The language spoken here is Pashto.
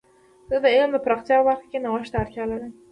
زه د علم د پراختیا په برخه کې نوښت ته اړتیا لرم.